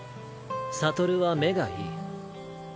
悟は目がいい。